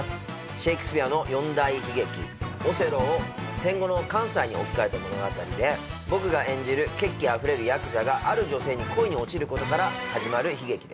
シェイクスピアの四大悲劇『オセロ』を戦後の関西に置き換えた物語で僕が演じる血気あふれるヤクザがある女性に恋に落ちる事から始まる悲劇です。